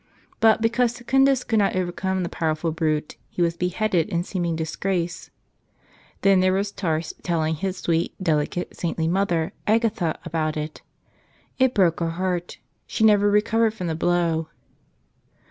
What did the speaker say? But, because Secundus could not overcome the powerful brute, he was beheaded in seeming disgrace. Then there was Tarse telling his sweet, delicate, saintly mother, Agatha, about it. It broke her heart — she never recovered from the blow.